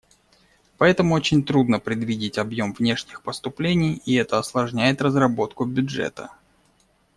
Поэтому очень трудно предвидеть объем внешних поступлений, и это осложняет разработку бюджета.